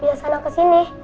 biasa anak ke sini